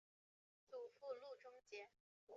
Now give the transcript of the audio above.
祖父路仲节。